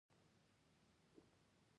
خندا کول کوچنی خنډ ګڼل کیږي.